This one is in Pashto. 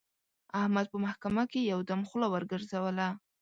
احمد په محکمه کې یو دم خوله وګرځوله.